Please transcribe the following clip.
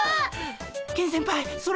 ケン先輩それ！